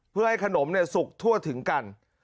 เพื่อให้ขนมสุกทั่วถึงกัน